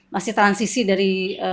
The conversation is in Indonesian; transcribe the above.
masih transisi dari